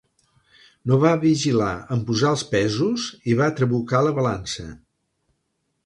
No va vigilar en posar els pesos i va trabucar la balança.